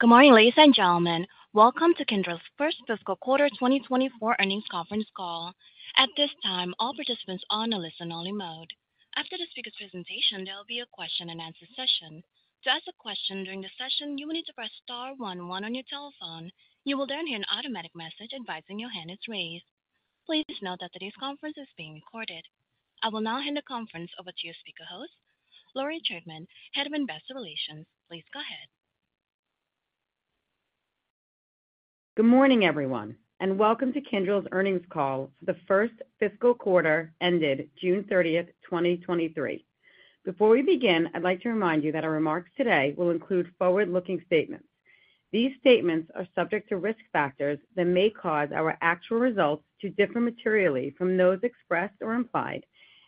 Good morning, ladies and gentlemen. Welcome to Kyndryl's first fiscal quarter 2024 earnings conference call. At this time, all participants are on a listen-only mode. After the speaker's presentation, there will be a question-and-answer session. To ask a question during the session, you will need to press star 11 on your telephone. You will then hear an automatic message advising your hand is raised. Please note that today's conference is being recorded. I will now hand the conference over to your speaker host, Lori Chaitman, Head of Investor Relations. Please go ahead. Good morning, everyone, and welcome to Kyndryl's earnings call for the first fiscal quarter ended June 30, 2023. Before we begin, I'd like to remind you that our remarks today will include forward-looking statements. These statements are subject to risk factors that may cause our actual results to differ materially from those expressed or implied,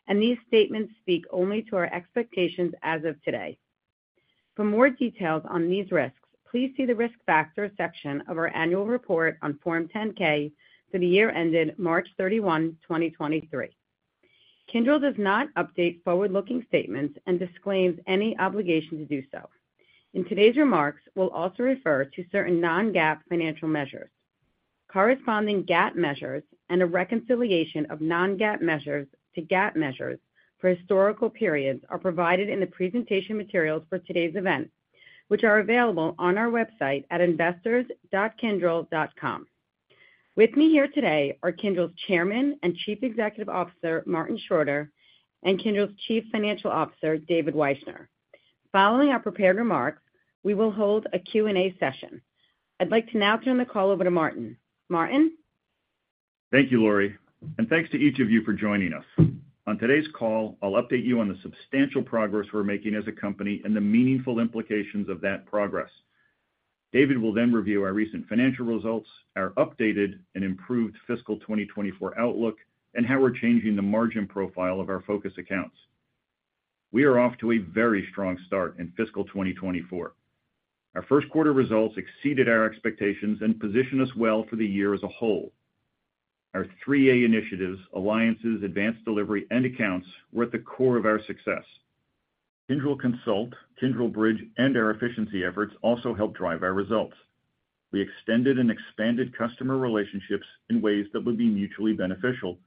and these statements speak only to our expectations as of today. For more details on these risks, please see the Risk Factors section of our annual report on Form 10-K for the year ended March 31, 2023. Kyndryl does not update forward-looking statements and disclaims any obligation to do so. In today's remarks, we'll also refer to certain non-GAAP financial measures. Corresponding GAAP measures and a reconciliation of non-GAAP measures to non-GAAP measures for historical periods are provided in the presentation materials for today's event, which are available on our website at investors.kyndryl.com. With me here today are Kyndryl's Chairman and Chief Executive Officer, Martin Schroeter, and Kyndryl's Chief Financial Officer, David Wyshner. Following our prepared remarks, we will hold a Q&A session. I'd like to now turn the call over to Martin. Martin? Thank you, Lori, and thanks to each of you for joining us. On today's call, I'll update you on the substantial progress we're making as a company and the meaningful implications of that progress. David will then review our recent financial results, our updated and improved fiscal 2024 outlook, and how we're changing the margin profile of our focus accounts. We are off to a very strong start in fiscal 2024. Our first Q1 results exceeded our expectations and position us well for the year as a whole. Our 3A initiatives, Alliances, Advanced Delivery, and Accounts, were at the core of our success. Kyndryl Consult, Kyndryl Bridge, and our efficiency efforts also helped drive our results. We extended and expanded customer relationships in ways that would be mutually beneficial,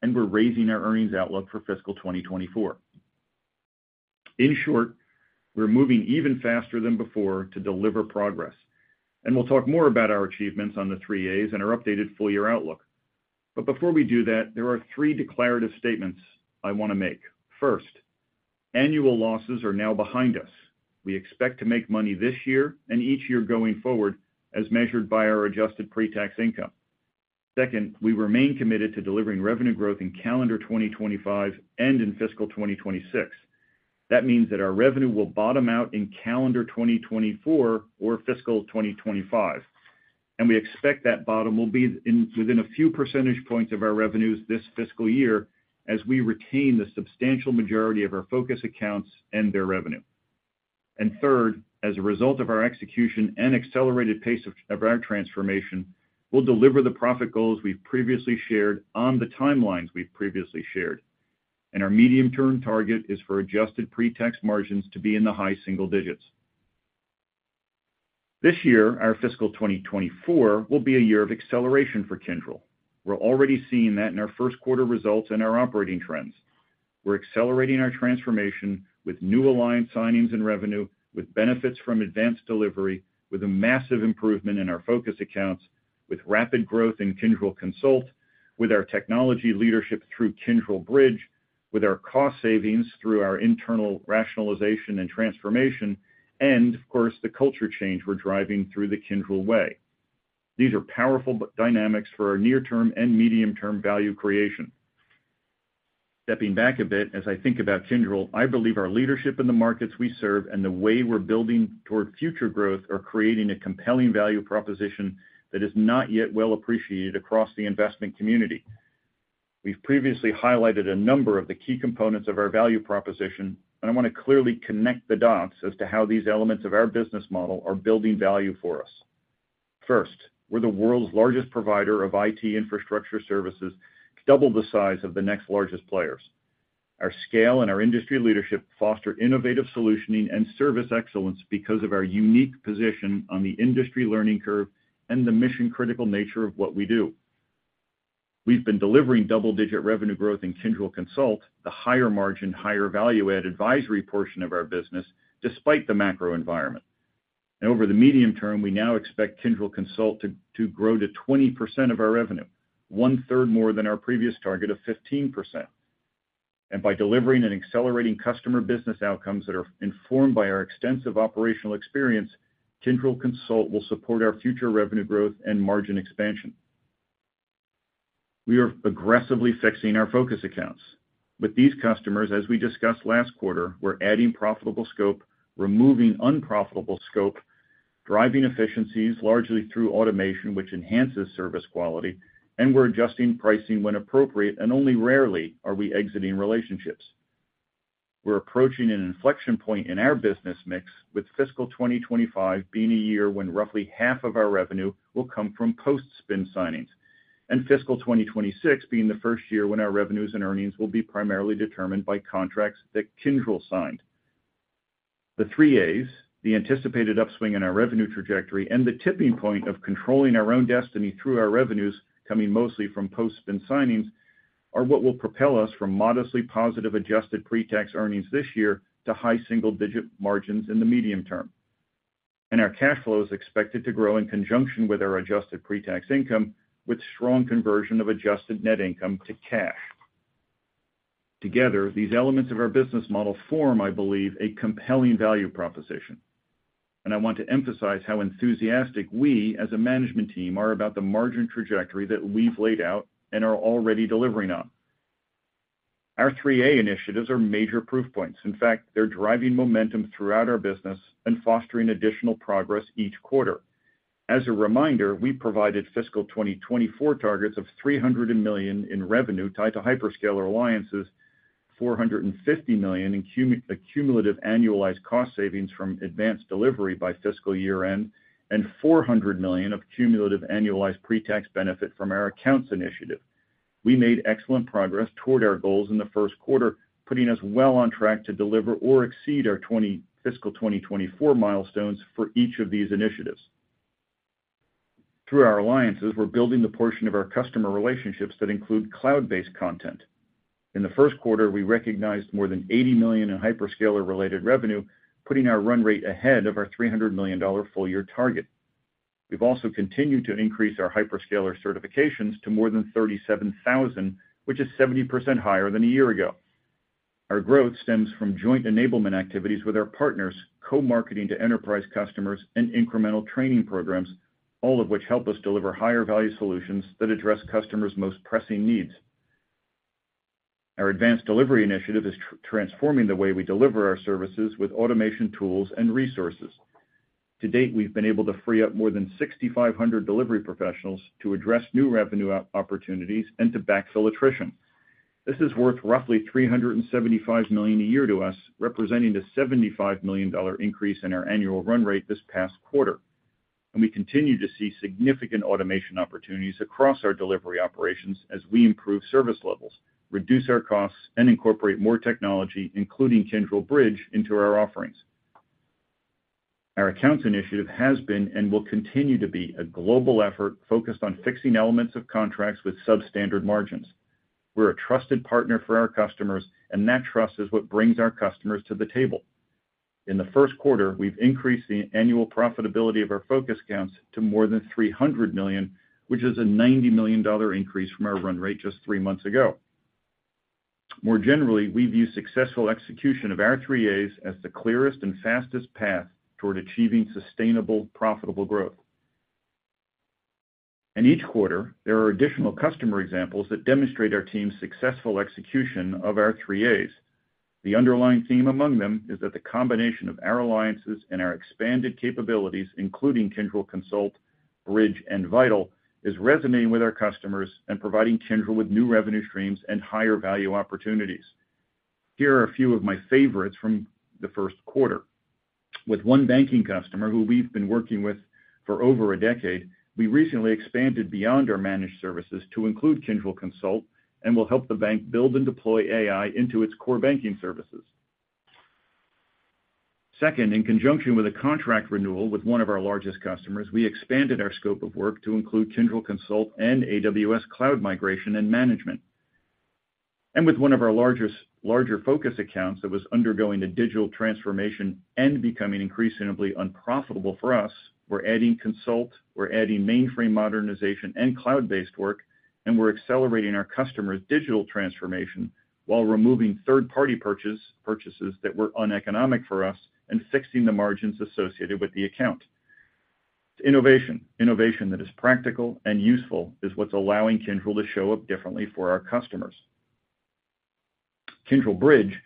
and we're raising our earnings outlook for fiscal 2024. In short, we're moving even faster than before to deliver progress, and we'll talk more about our achievements on the 3As and our updated full-year outlook. Before we do that, there are three declarative statements I want to make. First, annual losses are now behind us. We expect to make money this year and each year going forward, as measured by our adjusted pretax income. Second, we remain committed to delivering revenue growth in calendar 2025 and in fiscal 2026. That means that our revenue will bottom out in calendar 2024 or fiscal 2025, and we expect that bottom will be in within a few percentage points of our revenues this fiscal year as we retain the substantial majority of our focus accounts and their revenue. Third, as a result of our execution and accelerated pace of our transformation, we'll deliver the profit goals we've previously shared on the timelines we've previously shared. Our medium-term target is for adjusted pretax margins to be in the high single digits. This year, our fiscal 2024, will be a year of acceleration for Kyndryl. We're already seeing that in our Q1 results and our operating trends. We're accelerating our transformation with new alliance signings and revenue, with benefits from Advanced Delivery, with a massive improvement in our focus accounts, with rapid growth in Kyndryl Consult, with our technology leadership through Kyndryl Bridge, with our cost savings through our internal rationalization and transformation, and of course, the culture change we're driving through The Kyndryl Way. These are powerful but dynamics for our near-term and medium-term value creation. Stepping back a bit, as I think about Kyndryl, I believe our leadership in the markets we serve and the way we're building toward future growth are creating a compelling value proposition that is not yet well appreciated across the investment community. We've previously highlighted a number of the key components of our value proposition, and I want to clearly connect the dots as to how these elements of our business model are building value for us. First, we're the world's largest provider of IT infrastructure services, double the size of the next largest players. Our scale and our industry leadership foster innovative solutioning and service excellence because of our unique position on the industry learning curve and the mission-critical nature of what we do. We've been delivering double-digit revenue growth in Kyndryl Consult, the higher margin, higher value-add advisory portion of our business, despite the macro environment. Over the medium term, we now expect Kyndryl Consult to grow to 20% of our revenue, one-third more than our previous target of 15%. By delivering and accelerating customer business outcomes that are informed by our extensive operational experience, Kyndryl Consult will support our future revenue growth and margin expansion. We are aggressively fixing our focus accounts. With these customers, as we discussed last quarter, we're adding profitable scope, removing unprofitable scope, driving efficiencies largely through automation, which enhances service quality, and we're adjusting pricing when appropriate, and only rarely are we exiting relationships. We're approaching an inflection point in our business mix, with fiscal 2025 being a year when roughly half of our revenue will come from post-spin signings, and fiscal 2026 being the first year when our revenues and earnings will be primarily determined by contracts that Kyndryl signed.... The 3 As, the anticipated upswing in our revenue trajectory, and the tipping point of controlling our own destiny through our revenues coming mostly from post-spin signings, are what will propel us from modestly positive adjusted pretax earnings this year to high single-digit margins in the medium term. Our cash flow is expected to grow in conjunction with our adjusted pretax income, with strong conversion of adjusted net income to cash. Together, these elements of our business model form, I believe, a compelling value proposition, and I want to emphasize how enthusiastic we, as a management team, are about the margin trajectory that we've laid out and are already delivering on. Our 3A initiatives are major proof points. In fact, they're driving momentum throughout our business and fostering additional progress each quarter. As a reminder, we provided fiscal 2024 targets of $300 million in revenue tied to hyperscaler Alliances, $450 million in accumulative annualized cost savings from Advanced Delivery by fiscal year-end, and $400 million of cumulative annualized pretax benefit from our Accounts initiative. We made excellent progress toward our goals in the first Q1, putting us well on track to deliver or exceed our fiscal 2024 milestones for each of these initiatives. Through our alliances, we're building the portion of our customer relationships that include cloud-based content. In the Q1, we recognized more than $80 million in hyperscaler-related revenue, putting our run rate ahead of our $300 million full-year target. We've also continued to increase our hyperscaler certifications to more than 37,000, which is 70% higher than a year ago. Our growth stems from joint enablement activities with our partners, co-marketing to enterprise customers, and incremental training programs, all of which help us deliver higher-value solutions that address customers' most pressing needs. Our Advanced Delivery initiative is transforming the way we deliver our services with automation tools and resources. To date, we've been able to free up more than 6,500 delivery professionals to address new revenue opportunities and to backfill attrition. This is worth roughly $375 million a year to us, representing a $75 million increase in our annual run rate this past quarter. We continue to see significant automation opportunities across our delivery operations as we improve service levels, reduce our costs, and incorporate more technology, including Kyndryl Bridge, into our offerings. Our Accounts initiative has been and will continue to be a global effort focused on fixing elements of contracts with substandard margins. We're a trusted partner for our customers, and that trust is what brings our customers to the table. In the Q1, we've increased the annual profitability of our focus accounts to more than $300 million, which is a $90 million increase from our run rate just three months ago. More generally, we view successful execution of our three As as the clearest and fastest path toward achieving sustainable, profitable growth. Each quarter, there are additional customer examples that demonstrate our team's successful execution of our three As. The underlying theme among them is that the combination of our Alliances and our expanded capabilities, including Kyndryl Consult, Bridge, and Vital, is resonating with our customers and providing Kyndryl with new revenue streams and higher-value opportunities. Here are a few of my favorites from the Q1. With one banking customer, who we've been working with for over a decade, we recently expanded beyond our managed services to include Kyndryl Consult, will help the bank build and deploy AI into its core banking services. Second, in conjunction with a contract renewal with one of our largest customers, we expanded our scope of work to include Kyndryl Consult and AWS cloud migration and management. With one of our largest- larger focus accounts that was undergoing a digital transformation and becoming increasingly unprofitable for us, we're adding Consult, we're adding mainframe modernization and cloud-based work, and we're accelerating our customer's digital transformation while removing third-party purchases that were uneconomic for us and fixing the margins associated with the account. Innovation, innovation that is practical and useful is what's allowing Kyndryl to show up differently for our customers. Kyndryl Bridge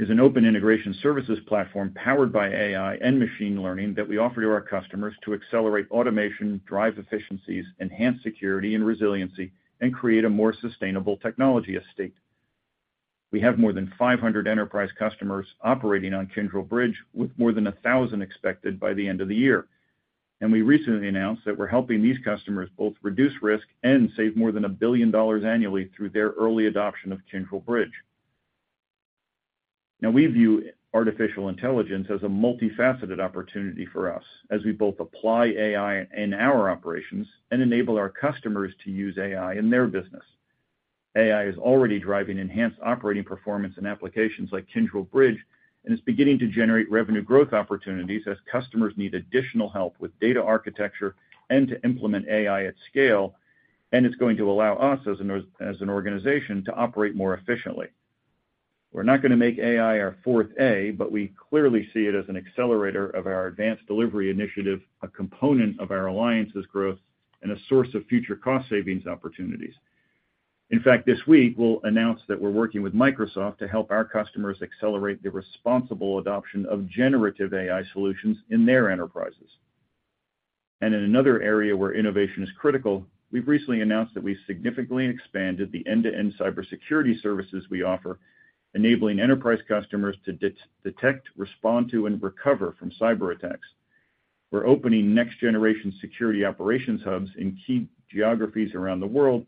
is an open integration services platform powered by AI and machine learning that we offer to our customers to accelerate automation, drive efficiencies, enhance Security and Resiliency, and create a more sustainable technology estate. We have more than 500 enterprise customers operating on Kyndryl Bridge, with more than 1,000 expected by the end of the year. We recently announced that we're helping these customers both reduce risk and save more than $1 billion annually through their early adoption of Kyndryl Bridge. Now, we view artificial intelligence as a multifaceted opportunity for us, as we both apply AI in our operations and enable our customers to use AI in their business. AI is already driving enhanced operating performance in applications like Kyndryl Bridge, is beginning to generate revenue growth opportunities as customers need additional help with data architecture and to implement AI at scale, it's going to allow us as an organization to operate more efficiently. We're not going to make AI our fourth A, but we clearly see it as an accelerator of our Advanced Delivery initiative, a component of our Alliances growth, and a source of future cost savings opportunities. In fact, this week, we'll announce that we're working with Microsoft to help our customers accelerate the responsible adoption of generative AI solutions in their enterprises. In another area where innovation is critical, we've recently announced that we significantly expanded the end-to-end cybersecurity services we offer, enabling enterprise customers to detect, respond to, and recover from cyberattacks. We're opening next-generation security operations hubs in key geographies around the world,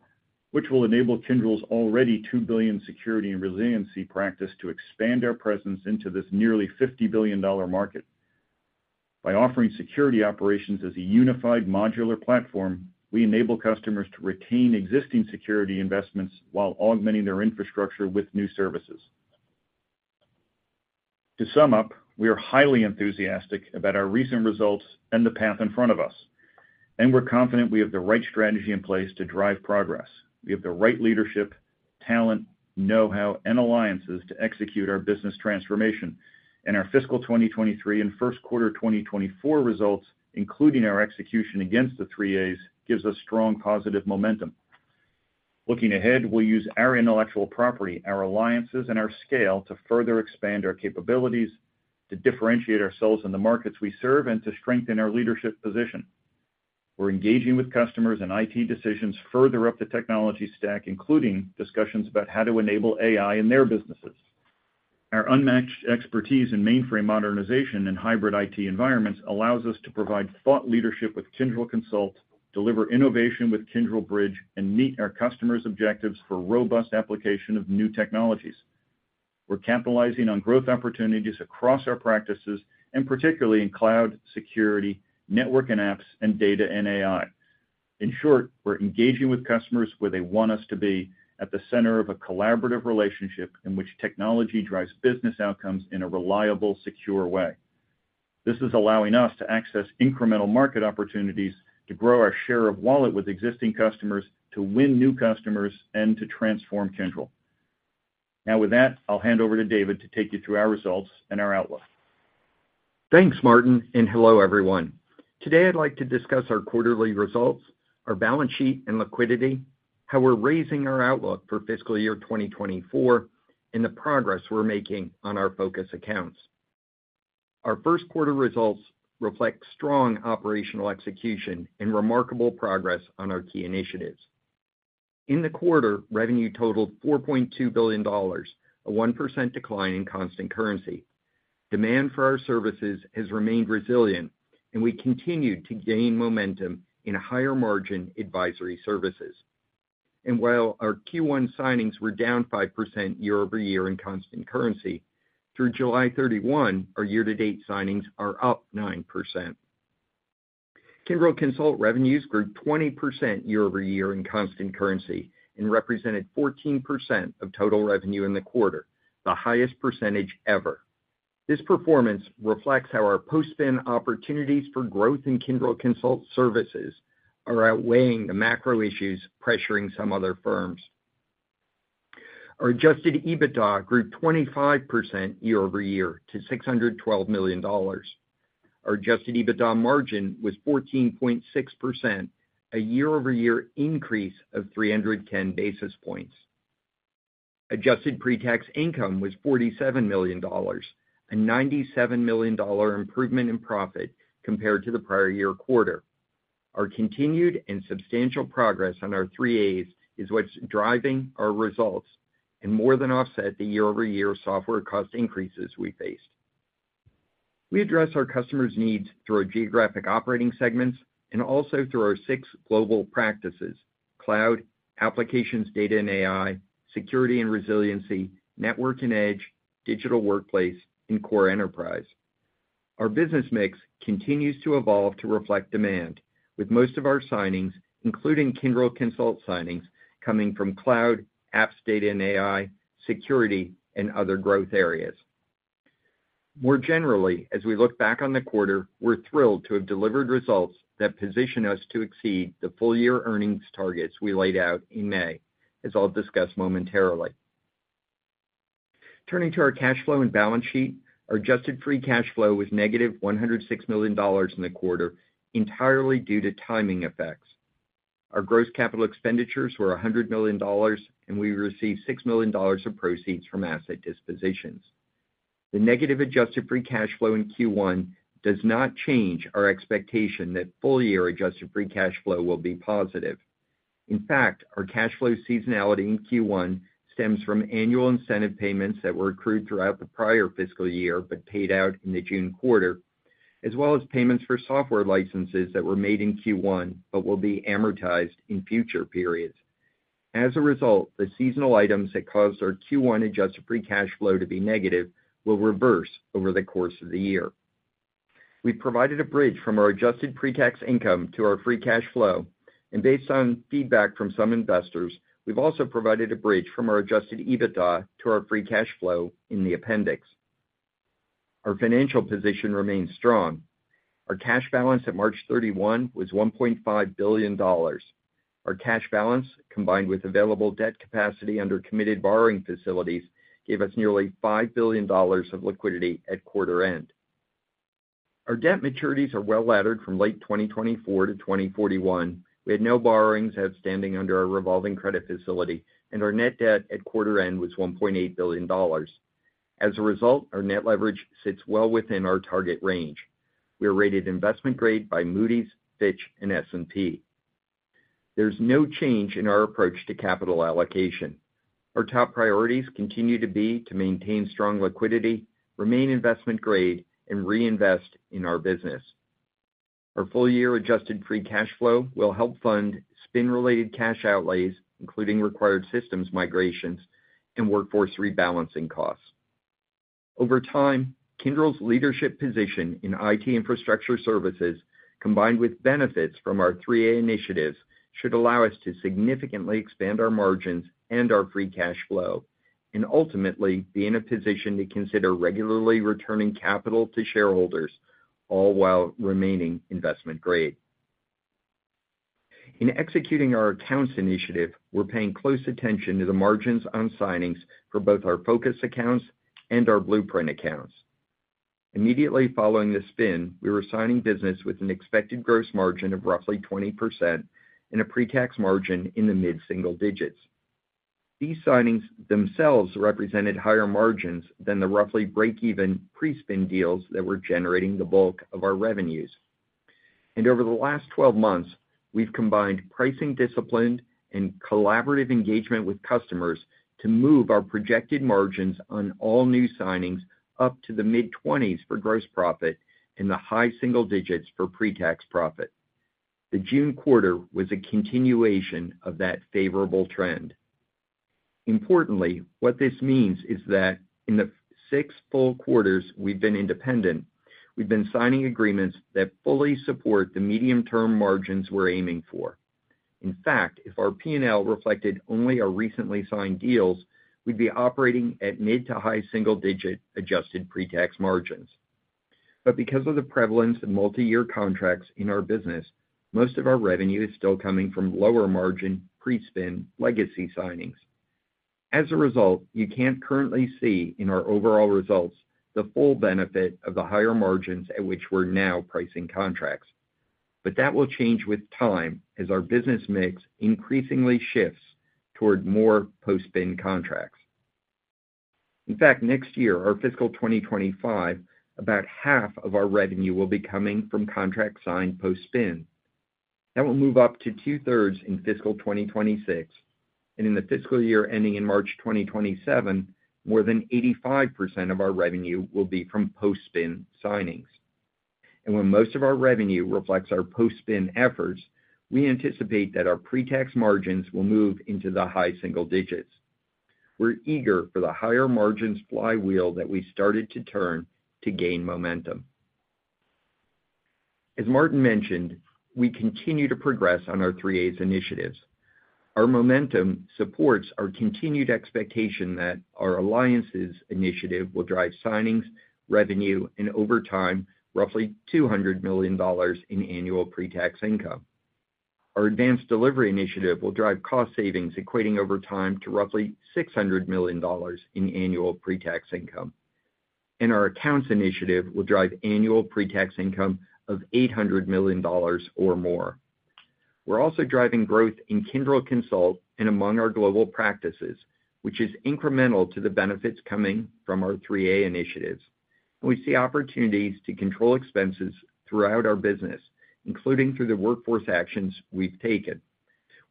which will enable Kyndryl's already $2 billion Security and Resiliency practice to expand our presence into this nearly $50 billion market. By offering security operations as a unified modular platform, we enable customers to retain existing security investments while augmenting their infrastructure with new services. To sum up, we are highly enthusiastic about our recent results and the path in front of us, and we're confident we have the right strategy in place to drive progress. We have the right leadership, talent, know-how, and alliances to execute our business transformation, and our fiscal 2023 and Q1 2024 results, including our execution against the 3As, gives us strong, positive momentum. Looking ahead, we'll use our intellectual property, our alliances, and our scale to further expand our capabilities, to differentiate ourselves in the markets we serve, and to strengthen our leadership position. We're engaging with customers and IT decisions further up the technology stack, including discussions about how to enable AI in their businesses. Our unmatched expertise in mainframe modernization and hybrid IT environments allows us to provide thought leadership with Kyndryl Consult, deliver innovation with Kyndryl Bridge, and meet our customers' objectives for robust application of new technologies. We're capitalizing on growth opportunities across our practices, and particularly in Cloud, Security, Network and apps, and Data and AI. In short, we're engaging with customers where they want us to be, at the center of a collaborative relationship in which technology drives business outcomes in a reliable, secure way. This is allowing us to access incremental market opportunities to grow our share of wallet with existing customers, to win new customers, and to transform Kyndryl. Now, with that, I'll hand over to David to take you through our results and our outlook. Thanks, Martin. Hello, everyone. Today, I'd like to discuss our quarterly results, our balance sheet and liquidity, how we're raising our outlook for fiscal year 2024, and the progress we're making on our focus accounts. Our Q1 results reflect strong operational execution and remarkable progress on our key initiatives. In the quarter, revenue totaled $4.2 billion, a 1% decline in constant currency. Demand for our services has remained resilient, we continued to gain momentum in higher-margin advisory services. While our Q1 signings were down 5% year-over-year in constant currency, through July 31, our year-to-date signings are up 9%. Kyndryl Consult revenues grew 20% year-over-year in constant currency and represented 14% of total revenue in the quarter, the highest percentage ever. This performance reflects how our post-spin opportunities for growth in Kyndryl Consult services are outweighing the macro issues pressuring some other firms. Our adjusted EBITDA grew 25% year-over-year to $612 million. Our adjusted EBITDA margin was 14.6%, a year-over-year increase of 310 basis points. adjusted pretax income was $47 million, a $97 million improvement in profit compared to the prior year quarter. Our continued and substantial progress on our three As is what's driving our results, and more than offset the year-over-year software cost increases we faced. We address our customers' needs through our geographic operating segments and also through our six global practices: cloud, applications, data and AI, security and resiliency, network and edge, digital workplace, and core enterprise. Our business mix continues to evolve to reflect demand, with most of our signings, including Kyndryl Consult signings, coming from cloud, apps, Data and AI, security, and other growth areas. More generally, as we look back on the quarter, we're thrilled to have delivered results that position us to exceed the full-year earnings targets we laid out in May, as I'll discuss momentarily. Turning to our cash flow and balance sheet, our adjusted free cash flow was negative $106 million in the quarter, entirely due to timing effects. Our gross capital expenditures were $100 million, and we received $6 million of proceeds from asset dispositions. The negative adjusted free cash flow in Q1 does not change our expectation that full-year adjusted free cash flow will be positive. In fact, our cash flow seasonality in Q1 stems from annual incentive payments that were accrued throughout the prior fiscal year, but paid out in the June quarter, as well as payments for software licenses that were made in Q1, but will be amortized in future periods. As a result, the seasonal items that caused our Q1 adjusted free cash flow to be negative will reverse over the course of the year. We provided a bridge from our adjusted pretax income to our free cash flow, and based on feedback from some investors, we've also provided a bridge from our adjusted EBITDA to our free cash flow in the appendix. Our financial position remains strong. Our cash balance at March 31 was $1.5 billion. Our cash balance, combined with available debt capacity under committed borrowing facilities, gave us nearly $5 billion of liquidity at quarter end. Our debt maturities are well-laddered from late 2024 to 2041. We had no borrowings outstanding under our revolving credit facility, and our net debt at quarter end was $1.8 billion. As a result, our net leverage sits well within our target range. We are rated investment grade by Moody's, Fitch, and S&P. There's no change in our approach to capital allocation. Our top priorities continue to be to maintain strong liquidity, remain investment grade, and reinvest in our business. Our full-year adjusted free cash flow will help fund spin-related cash outlays, including required systems migrations and workforce rebalancing costs. Over time, Kyndryl's leadership position in IT infrastructure services, combined with benefits from our 3A initiatives, should allow us to significantly expand our margins and our free cash flow, and ultimately, be in a position to consider regularly returning capital to shareholders, all while remaining investment grade. In executing our Accounts initiative, we're paying close attention to the margins on signings for both our focus accounts and our blueprint accounts. Immediately following the spin, we were signing business with an expected gross margin of roughly 20% and a pre-tax margin in the mid-single digits. These signings themselves represented higher margins than the roughly break-even pre-spin deals that were generating the bulk of our revenues. Over the last 12 months, we've combined pricing discipline and collaborative engagement with customers to move our projected margins on all new signings up to the mid-20s for gross profit and the high single digits for pre-tax profit. The June quarter was a continuation of that favorable trend. Importantly, what this means is that in the six full quarters we've been independent, we've been signing agreements that fully support the medium-term margins we're aiming for. In fact, if our P&L reflected only our recently signed deals, we'd be operating at mid-to-high single-digit adjusted pretax margins. Because of the prevalence of multi-year contracts in our business, most of our revenue is still coming from lower-margin, pre-spin legacy signings. As a result, you can't currently see in our overall results the full benefit of the higher margins at which we're now pricing contracts. That will change with time as our business mix increasingly shifts toward more post-spin contracts. In fact, next year, our fiscal 2025, about half of our revenue will be coming from contracts signed post-spin. That will move up to two-thirds in fiscal 2026, and in the fiscal year ending in March 2027, more than 85% of our revenue will be from post-spin signings. When most of our revenue reflects our post-spin efforts, we anticipate that our pretax margins will move into the high single digits. We're eager for the higher margins flywheel that we started to turn to gain momentum. As Martin mentioned, we continue to progress on our 3A initiatives. Our momentum supports our continued expectation that our Alliances initiative will drive signings, revenue, and over time, roughly $200 million in annual pretax income. Our Advanced Delivery initiative will drive cost savings, equating over time to roughly $600 million in annual pretax income. Our Accounts initiative will drive annual pretax income of $800 million or more. We're also driving growth in Kyndryl Consult and among our global practices, which is incremental to the benefits coming from our 3A initiatives. We see opportunities to control expenses throughout our business, including through the workforce actions we've taken.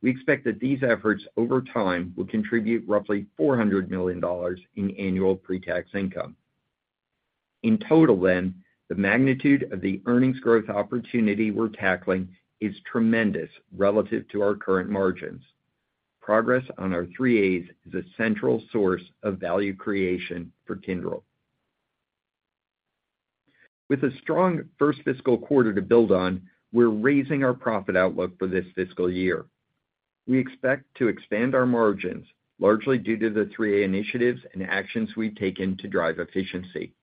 We expect that these efforts over time, will contribute roughly $400 million in annual pre-tax income. In total, the magnitude of the earnings growth opportunity we're tackling is tremendous relative to our current margins. Progress on our 3A's is a central source of value creation for Kyndryl. With a strong first fiscal quarter to build on, we're raising our profit outlook for this fiscal year. We expect to expand our margins, largely due to the 3A initiatives and actions we've taken to drive efficiency.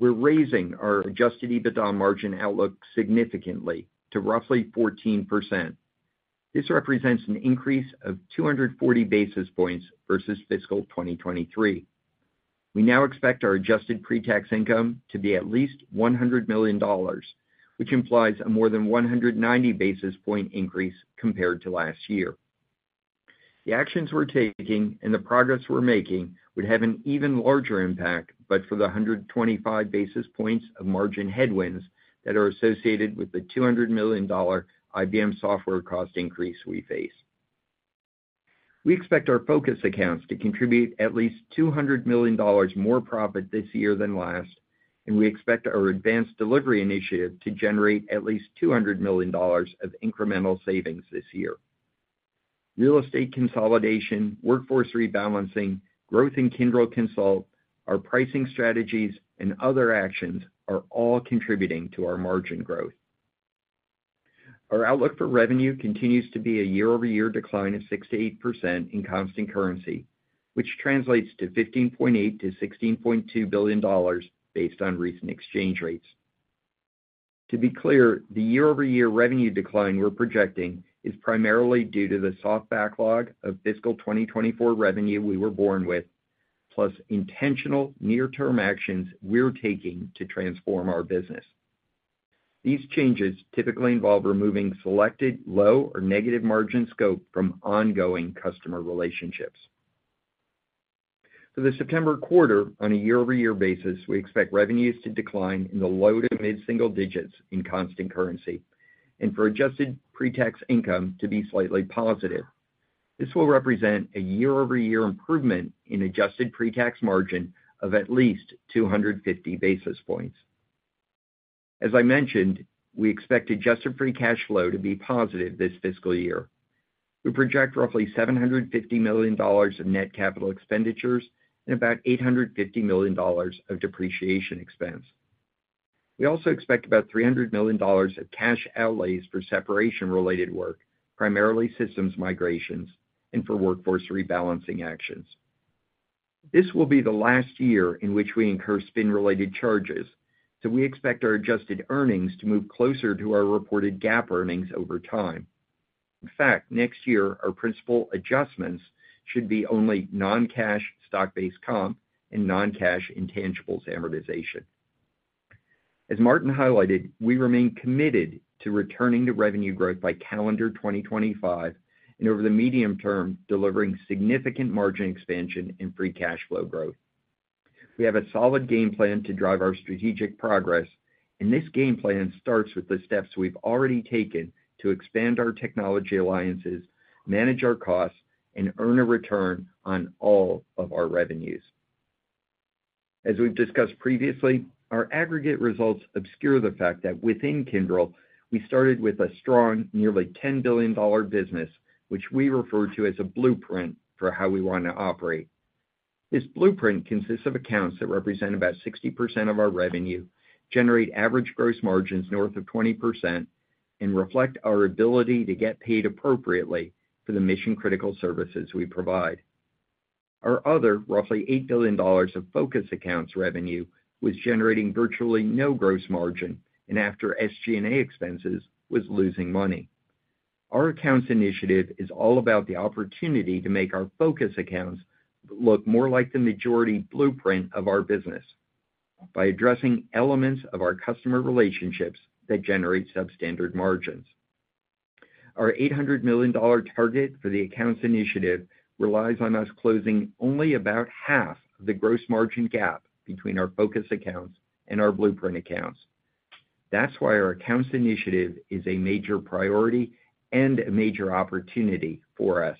We're raising our adjusted EBITDA margin outlook significantly to roughly 14%. This represents an increase of 240 basis points versus fiscal 2023. We now expect our adjusted pretax income to be at least $100 million, which implies a more than 190 basis point increase compared to last year. The actions we're taking and the progress we're making would have an even larger impact, but for the 125 basis points of margin headwinds that are associated with the $200 million IBM software cost increase we face. We expect our focus accounts to contribute at least $200 million more profit this year than last, and we expect our Advanced Delivery initiative to generate at least $200 million of incremental savings this year. Real estate consolidation, workforce rebalancing, growth in Kyndryl Consult, our pricing strategies, and other actions are all contributing to our margin growth. Our outlook for revenue continues to be a year-over-year decline of 6% - 8% in constant currency, which translates to $15.8 billion - $16.2 billion based on recent exchange rates. To be clear, the year-over-year revenue decline we're projecting is primarily due to the soft backlog of fiscal 2024 revenue we were born with, plus intentional near-term actions we're taking to transform our business. These changes typically involve removing selected, low or negative margin scope from ongoing customer relationships. For the September quarter, on a year-over-year basis, we expect revenues to decline in the low to mid-single digits in constant currency, and for adjusted pretax income to be slightly positive. This will represent a year-over-year improvement in adjusted pretax margin of at least 250 basis points. As I mentioned, we expect adjusted free cash flow to be positive this fiscal year. We project roughly $750 million of net capital expenditures and about $850 million of depreciation expense. We also expect about $300 million of cash outlays for separation-related work, primarily systems migrations, and for workforce rebalancing actions. This will be the last year in which we incur spin-related charges. We expect our adjusted earnings to move closer to our reported GAAP earnings over time. In fact, next year, our principal adjustments should be only non-cash stock-based comp and non-cash intangibles amortization. As Martin highlighted, we remain committed to returning to revenue growth by calendar 2025, and over the medium term, delivering significant margin expansion and free cash flow growth. We have a solid game plan to drive our strategic progress, and this game plan starts with the steps we've already taken to expand our technology alliances, manage our costs, and earn a return on all of our revenues. As we've discussed previously, our aggregate results obscure the fact that within Kyndryl, we started with a strong, nearly $10 billion business, which we refer to as a blueprint for how we want to operate. This blueprint consists of accounts that represent about 60% of our revenue, generate average gross margins north of 20%, and reflect our ability to get paid appropriately for the mission-critical services we provide. Our other roughly $8 billion of focus accounts revenue was generating virtually no gross margin, and after SG&A expenses, was losing money. Our Accounts initiative is all about the opportunity to make our focus accounts look more like the majority blueprint accounts of our business by addressing elements of our customer relationships that generate substandard margins. Our $800 million target for the Accounts initiative relies on us closing only about half the gross margin gap between our focus accounts and our blueprint accounts. That's why our Accounts initiative is a major priority and a major opportunity for us.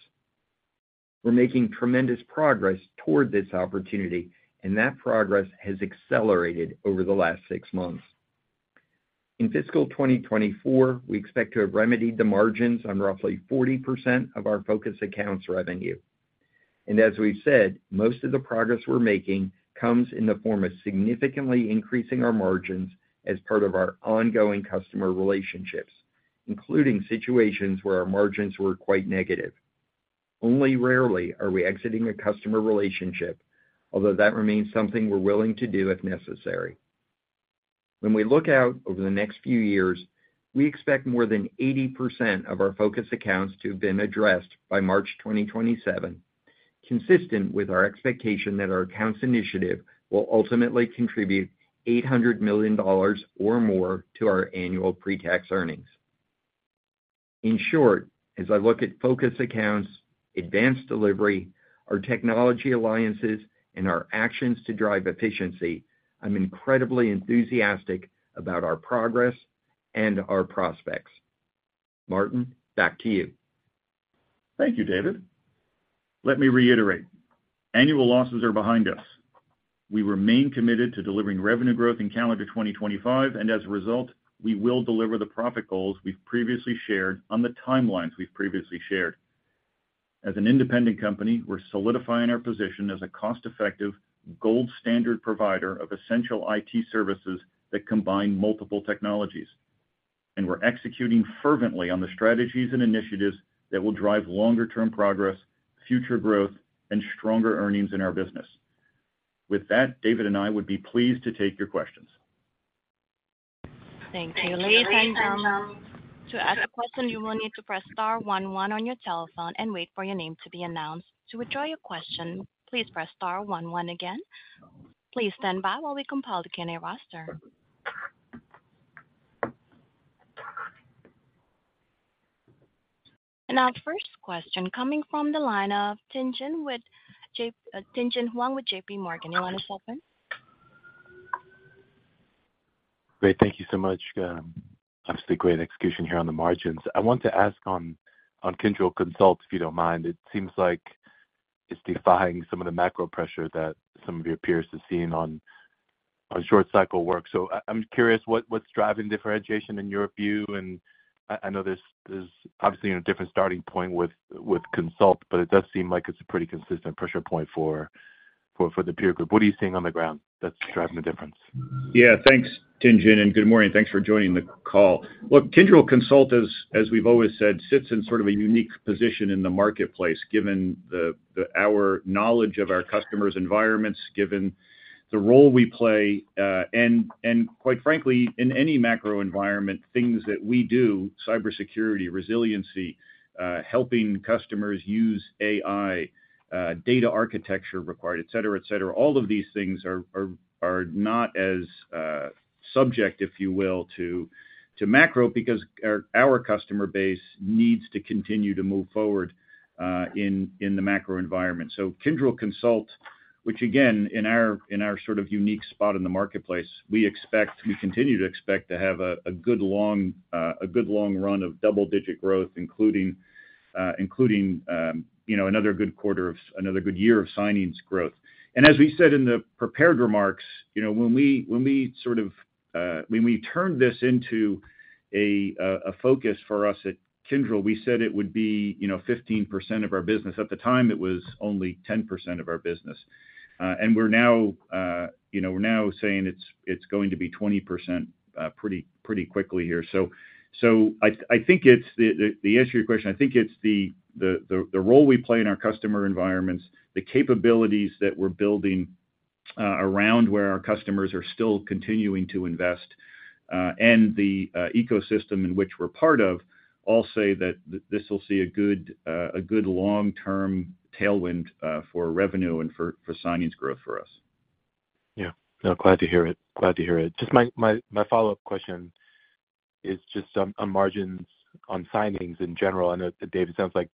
We're making tremendous progress toward this opportunity, and that progress has accelerated over the last six months. In fiscal 2024, we expect to have remedied the margins on roughly 40% of our focus accounts revenue. As we've said, most of the progress we're making comes in the form of significantly increasing our margins as part of our ongoing customer relationships, including situations where our margins were quite negative. Only rarely are we exiting a customer relationship, although that remains something we're willing to do if necessary. When we look out over the next few years, we expect more than 80% of our focus accounts to have been addressed by March 2027, consistent with our expectation that our Accounts initiative will ultimately contribute $800 million or more to our annual pre-tax earnings. In short, as I look at focus accounts, Advanced Delivery, our technology Alliances, and our actions to drive efficiency, I'm incredibly enthusiastic about our progress and our prospects. Martin, back to you. Thank you, David. Let me reiterate, annual losses are behind us. We remain committed to delivering revenue growth in calendar 2025. As a result, we will deliver the profit goals we've previously shared on the timelines we've previously shared. As an independent company, we're solidifying our position as a cost-effective, gold-standard provider of essential IT services that combine multiple technologies. We're executing fervently on the strategies and initiatives that will drive longer-term progress, future growth, and stronger earnings in our business. With that, David and I would be pleased to take your questions. Thank you. Ladies and gentlemen, to ask a question, you will need to press star one one on your telephone and wait for your name to be announced. To withdraw your question, please press star one one again. Please stand by while we compile the Q&A roster. Our first question coming from the line of Tien-Tsin with J-, Tien-Tsin Huang with JP Morgan. You want to start then? Great, thank you so much. Obviously, great execution here on the margins. I want to ask on, on Kyndryl Consult, if you don't mind. It seems like it's defying some of the macro pressure that some of your peers have seen on, on short cycle work. I, I'm curious, what, what's driving differentiation in your view? I, I know this is obviously in a different starting point with, with Consult, but it does seem like it's a pretty consistent pressure point for, for, for the peer group. What are you seeing on the ground that's driving the difference? Yeah. Thanks, Tingen, and good morning. Thanks for joining the call. Look, Kyndryl Consult, as we've always said, sits in sort of a unique position in the marketplace, given the our knowledge of our customers' environments, given the role we play, and quite frankly, in any macro environment, things that we do, cybersecurity, resiliency, helping customers use AI, data architecture required, et cetera, et cetera, all of these things are not as subject, if you will, to macro, because our customer base needs to continue to move forward in the macro environment. Kyndryl Consult. which again, in our, in our sort of unique spot in the marketplace, we expect, we continue to expect to have a, a good long, a good long run of double-digit growth, including, you know, another good year of signings growth. As we said in the prepared remarks, you know, when we, when we sort of, when we turned this into a focus for us at Kyndryl, we said it would be, you know, 15% of our business. At the time, it was only 10% of our business. We're now, you know, we're now saying it's, it's going to be 20%, pretty, pretty quickly here. I think it's the answer to your question, I think it's the role we play in our customer environments, the capabilities that we're building around where our customers are still continuing to invest, and the ecosystem in which we're part of, all say that this will see a good long-term tailwind for revenue and for signings growth for us. Yeah. No, glad to hear it. Glad to hear it. Just my follow-up question is just on, on margins, on signings in general. I know, David, it sounds like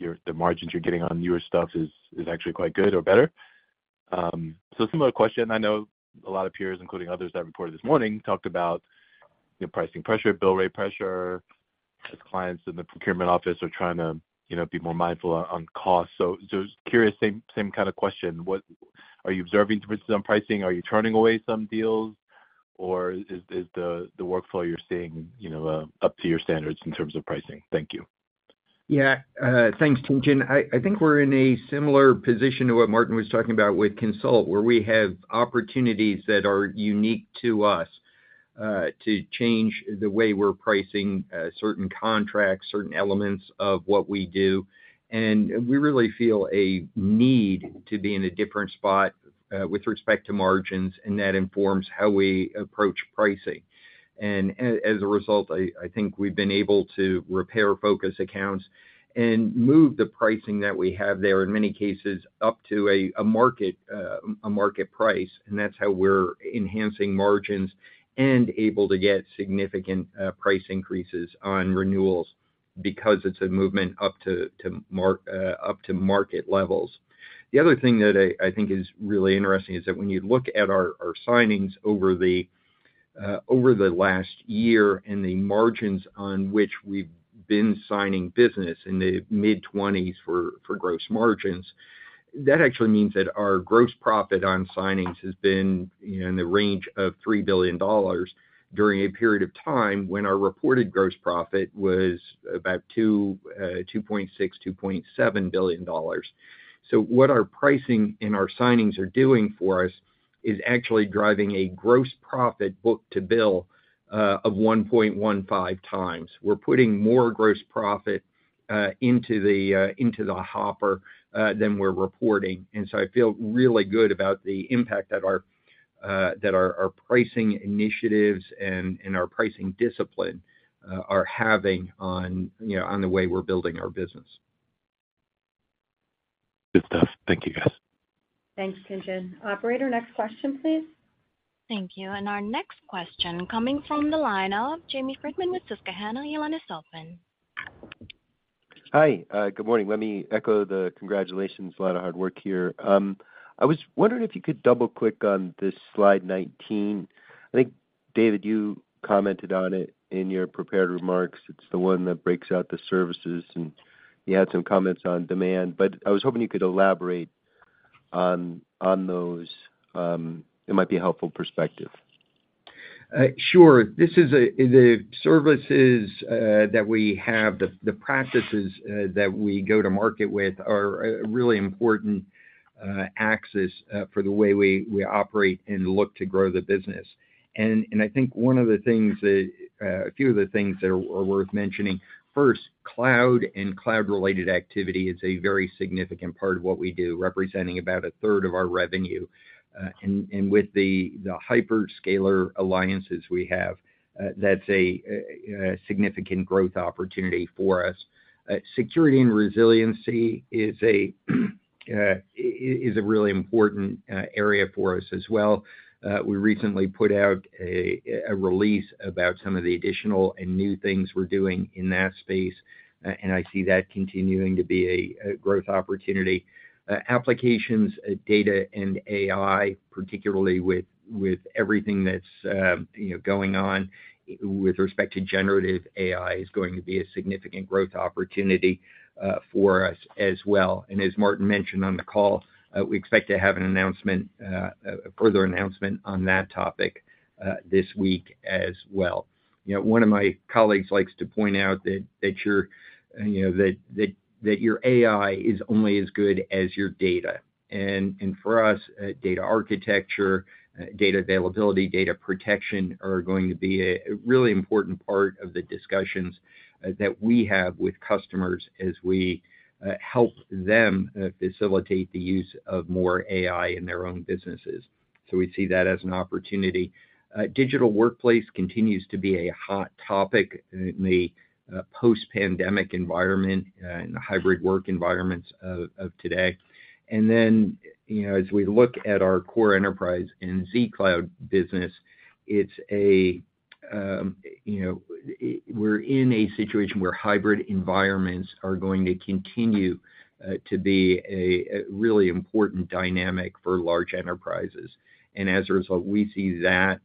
the margins you're getting on newer stuff is, is actually quite good or better. Similar question, I know a lot of peers, including others that reported this morning, talked about, you know, pricing pressure, bill rate pressure, as clients in the procurement office are trying to, you know, be more mindful on, on cost. Just curious, same, same kind of question. Are you observing towards some pricing? Are you turning away some deals, or is, is the, the workflow you're seeing, you know, up to your standards in terms of pricing? Thank you. Yeah. Thanks, Tien-Tsin. I, I think we're in a similar position to what Martin was talking about with Consult, where we have opportunities that are unique to us, to change the way we're pricing, certain contracts, certain elements of what we do. We really feel a need to be in a different spot, with respect to margins, and that informs how we approach pricing. As a result, I, I think we've been able to repair focus accounts and move the pricing that we have there, in many cases, up to a, a market, a market price, and that's how we're enhancing margins and able to get significant, price increases on renewals because it's a movement up to market levels. The other thing that I, I think is really interesting is that when you look at our, our signings over the last year and the margins on which we've been signing business in the mid-twenties for, for gross margins, that actually means that our gross profit on signings has been, you know, in the range of $3 billion during a period of time when our reported gross profit was about $2.6 billion-$2.7 billion. What our pricing and our signings are doing for us is actually driving a gross profit book-to-bill of 1.15 times. We're putting more gross profit into the hopper than we're reporting. I feel really good about the impact that our, that our, our pricing initiatives and, and our pricing discipline, are having on, you know, on the way we're building our business. Good stuff. Thank you, guys. Thanks, Tianjin. Operator, next question, please. Thank you. Our next question coming from the line of Jamie Friedman with Susquehanna International. Hi. Good morning. Let me echo the congratulations. A lot of hard work here. I was wondering if you could double-click on this slide 19. I think, David, you commented on it in your prepared remarks. It's the one that breaks out the services, and you had some comments on demand, but I was hoping you could elaborate on, on those. It might be a helpful perspective. Sure. This is the services that we have, the practices that we go to market with are a really important axis for the way we operate and look to grow the business. I think one of the things that a few of the things that are worth mentioning, first, Cloud and cloud-related activity is a very significant part of what we do, representing about one-third of our revenue. With the hyperscaler alliances we have, that's a significant growth opportunity for us. Security and Resiliency is a really important area for us as well. We recently put out a release about some of the additional and new things we're doing in that space, and I see that continuing to be a growth opportunity. Applications, data, and AI, particularly with, with everything that's, you know, going on with respect to generative AI, is going to be a significant growth opportunity for us as well. As Martin mentioned on the call, we expect to have an announcement, a further announcement on that topic this week as well. You know, one of my colleagues likes to point out that, that your, you know, that, that, that your AI is only as good as your data. For us, data architecture, data availability, data protection are going to be a really important part of the discussions that we have with customers as we help them facilitate the use of more AI in their own businesses. We see that as an opportunity. Digital Workplace continues to be a hot topic in the post-pandemic environment and the hybrid work environments of today. Then, you know, as we look at our Core Enterprise and zCloud business, you know, we're in a situation where hybrid environments are going to continue to be a really important dynamic for large enterprises. As a result, we see that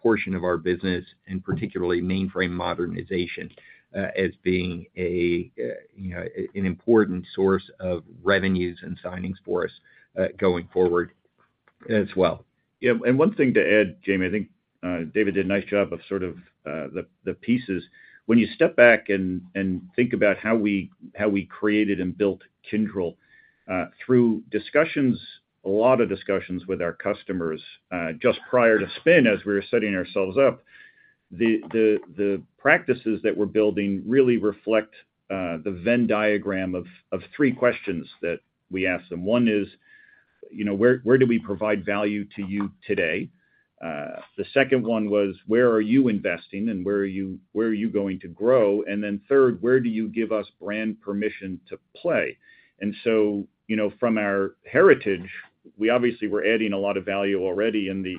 portion of our business, and particularly mainframe modernization, as being a, you know, an important source of revenues and signings for us, going forward as well. Yeah, one thing to add, Jamie, I think David did a nice job of sort of the pieces. When you step back and think about how we, how we created and built Kyndryl, through discussions, a lot of discussions with our customers, just prior to spin, as we were setting ourselves up, the practices that we're building really reflect the Venn diagram of three questions that we ask them. One is, you know, where, where do we provide value to you today? The second one was, where are you investing and where are you, where are you going to grow? Then third, where do you give us brand permission to play? So, you know, from our heritage, we obviously were adding a lot of value already in the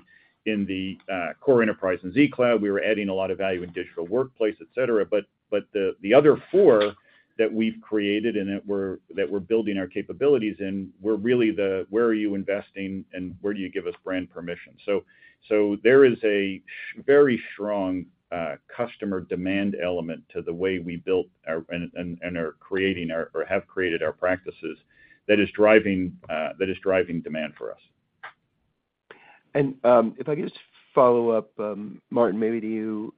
Core Enterprise and zCloud. We were adding a lot of value in Digital Workplace, et cetera. The other four that we've created and that we're building our capabilities in, were really the where are you investing and where do you give us brand permission? There is a very strong customer demand element to the way we built our and are creating our, or have created our practices, that is driving demand for us. If I could just follow up, Martin, maybe to you.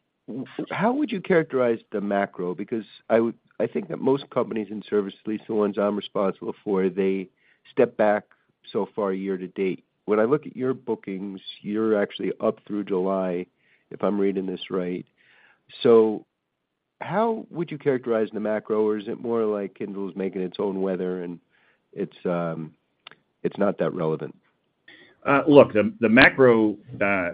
How would you characterize the macro? Because I think that most companies in service, at least the ones I'm responsible for, they step back so far, year to date. When I look at your bookings, you're actually up through July, if I'm reading this right. How would you characterize the macro, or is it more like Kyndryl's making its own weather, and it's not that relevant? Look, the, the macro,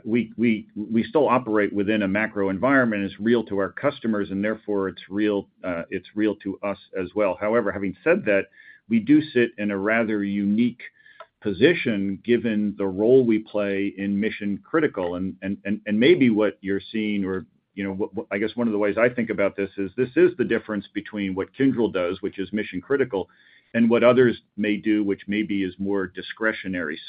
we, we, we still operate within a macro environment is real to our customers, and therefore, it's real, it's real to us as well. However, having said that, we do sit in a rather unique position, given the role we play in mission-critical. Maybe what you're seeing, or, you know, I guess one of the ways I think about this is, this is the difference between what Kyndryl does, which is mission-critical, and what others may do, which maybe is more discretionary.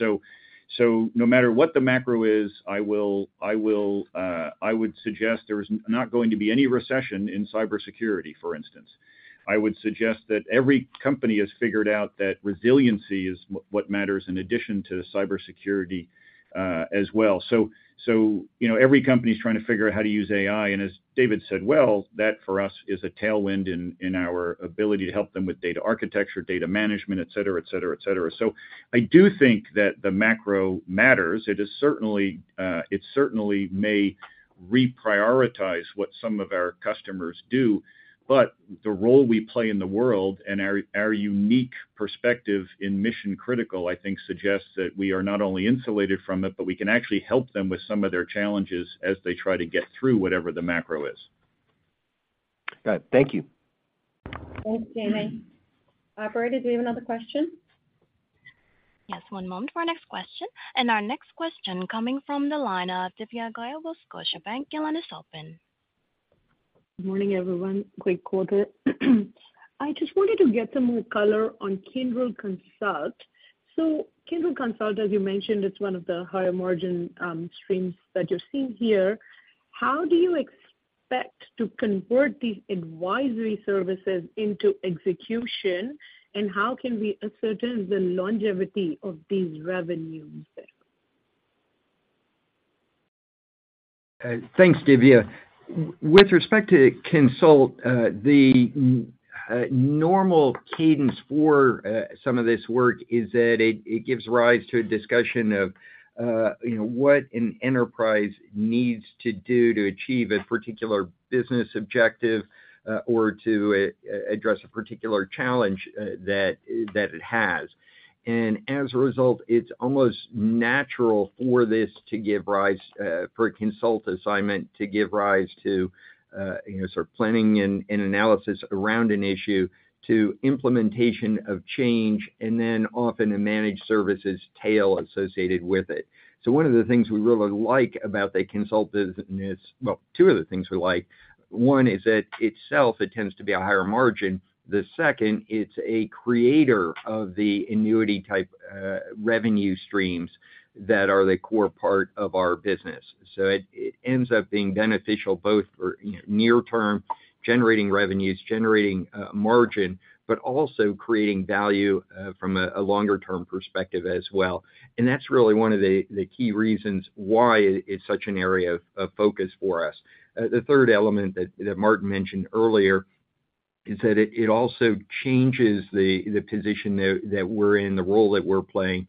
No matter what the macro is, I will, I will, I would suggest there is not going to be any recession in cybersecurity, for instance. I would suggest that every company has figured out that resiliency is what matters in addition to cybersecurity, as well. You know, every company is trying to figure out how to use AI, and as David said, well, that, for us, is a tailwind in, in our ability to help them with data architecture, data management, et cetera, et cetera, et cetera. I do think that the macro matters. It is certainly, it certainly may reprioritize what some of our customers do, but the role we play in the world and our, our unique perspective in mission-critical, I think, suggests that we are not only insulated from it, but we can actually help them with some of their challenges as they try to get through whatever the macro is. Got it. Thank you. Thanks, Jamie. Operator, do we have another question? Yes, one moment for our next question. Our next question coming from the line of Divya Goyal with Scotiabank. Your line is open. Good morning, everyone. Great quarter. I just wanted to get some more color on Kyndryl Consult. Kyndryl Consult, as you mentioned, it's one of the higher margin streams that you're seeing here. How do you expect to convert these advisory services into execution? How can we ascertain the longevity of these revenues there? Thanks, Divya. with respect to Consult, the normal cadence for some of this work is that it, it gives rise to a discussion of, you know, what an enterprise needs to do to achieve a particular business objective, or to address a particular challenge that, that it has. And as a result, it's almost natural for this to give rise, for a Consult assignment to give rise to, you know, sort of planning and analysis around an issue to implementation of change, and then often a managed services tail associated with it. So one of the things we really like about the Consult is, well, two of the things we like. One is that itself, it tends to be a higher margin. The second, it's a creator of the annuity-type revenue streams that are the core part of our business. It, it ends up being beneficial both for, you know, near term, generating revenues, generating margin, but also creating value from a longer-term perspective as well. That's really one of the key reasons why it's such an area of focus for us. The third element that Martin mentioned earlier is that it also changes the position that we're in, the role that we're playing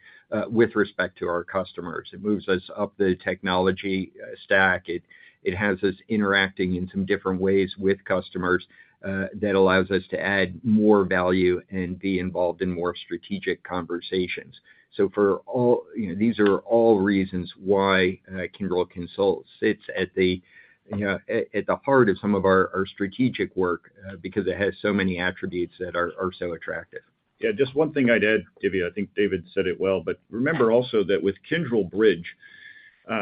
with respect to our customers. It moves us up the technology stack. It, it has us interacting in some different ways with customers that allows us to add more value and be involved in more strategic conversations. For all- you know, these are all reasons why Kyndryl Consult sits at the heart of some of our strategic work, because it has so many attributes that are so attractive. Yeah, just one thing I'd add, Divya, I think David said it well, remember also that with Kyndryl Bridge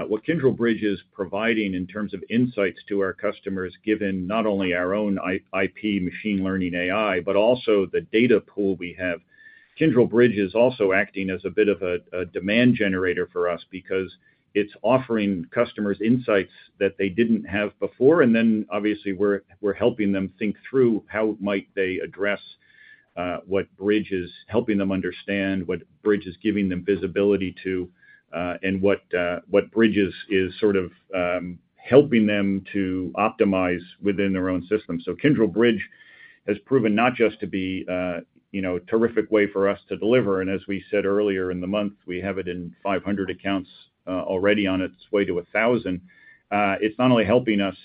what Kyndryl Bridge is providing in terms of insights to our customers, given not only our own IP machine learning AI, but also the data pool we have. Kyndryl Bridge is also acting as a bit of a, a demand generator for us because it's offering customers insights that they didn't have before, obviously, we're, we're helping them think through how might they address, what Bridge is helping them understand, what Bridge is giving them visibility to, and what, what Bridge is, is sort of, helping them to optimize within their own system. Kyndryl Bridge has proven not just to be a, you know, terrific way for us to deliver, and as we said earlier in the month, we have it in 500 accounts, already on its way to 1,000. It's not only helping us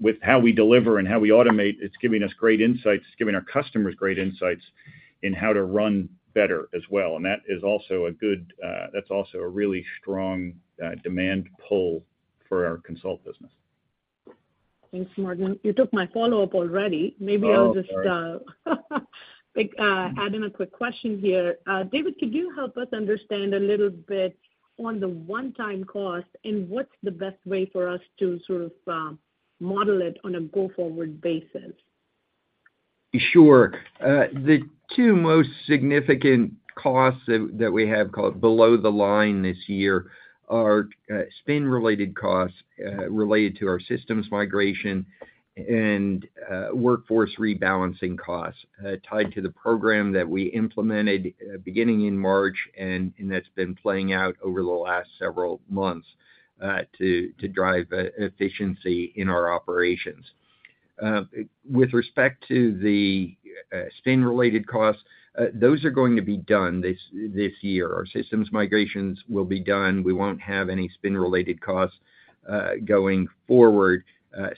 with how we deliver and how we automate, it's giving us great insights, it's giving our customers great insights in how to run better as well. That is also a good. That's also a really strong demand pull for our consult business. Thanks, Martin. You took my follow-up already. Oh, sorry. Maybe I'll just add in a quick question here. David, could you help us understand a little bit on the one-time cost, and what's the best way for us to sort of model it on a go-forward basis? Sure. The two most significant costs that, that we have called below the line this year are spin-related costs related to our systems migration and workforce rebalancing costs tied to the program that we implemented beginning in March, and that's been playing out over the last several months to, to drive efficiency in our operations. With respect to the spin-related costs, those are going to be done this year. Our systems migrations will be done. We won't have any spin-related costs going forward,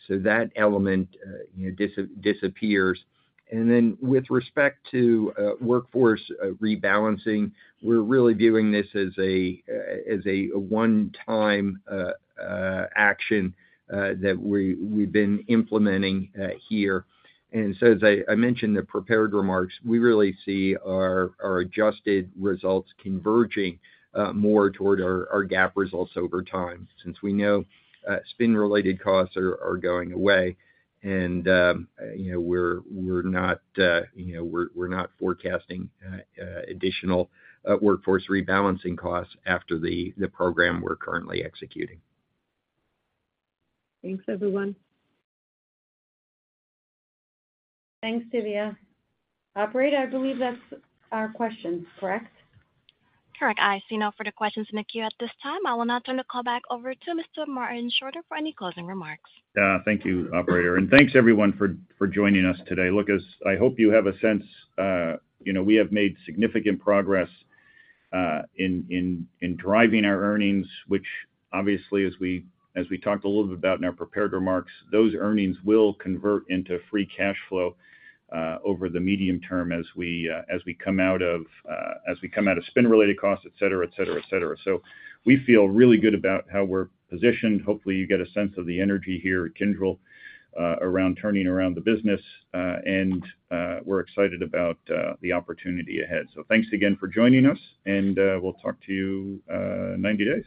so that element, you know, disappears. Then, with respect to workforce rebalancing, we're really viewing this as a one-time action that we've been implementing here. As I, I mentioned in the prepared remarks, we really see our, our adjusted results converging, more toward our, our GAAP results over time, since we know, spin-related costs are, are going away. You know, we're, we're not, you know, we're, we're not forecasting, additional, workforce rebalancing costs after the, the program we're currently executing. Thanks, everyone. Thanks, Divya. Operator, I believe that's our questions, correct? Correct. I see no further questions in the queue at this time. I will now turn the call back over to Mr. Martin Schroeter for any closing remarks. tor, and thanks, everyone, everyone for joining us today. Look, as I hope you have a sense, you know, we have made significant progress in driving our earnings, which obviously, as we, as we talked a little bit about in our prepared remarks, those earnings will convert into free cash flow over the medium term as we, as we come out of, as we come out of spin-related costs, et cetera, et cetera, et cetera. We feel really good about how we're positioned. Hopefully, you get a sense of the energy here at Kyndryl around turning around the business, and we're excited about the opportunity ahead. Thanks again for joining us, and we'll talk to you 90 days.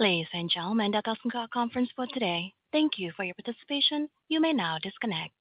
Ladies and gentlemen, that concludes our conference for today. Thank you for your participation. You may now disconnect.